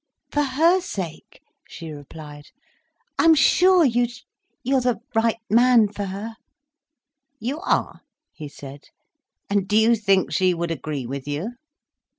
"For her sake," she replied. "I'm sure you'd—you're the right man for her." "You are?" he said. "And do you think she would agree with you?"